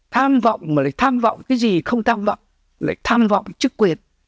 tham vọng mà lại tham vọng cái gì không tham vọng lại tham vọng chức quyền